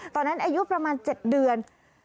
ตอนนั้นอายุประมาณ๗เดือน